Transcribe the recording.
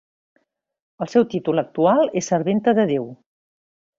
El seu títol actual és serventa de Déu.